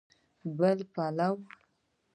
بل پلو